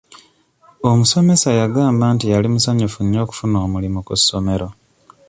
Omusomesa yagamba nti yali musanyufu nnyo okufuna omulimu ku ssomero.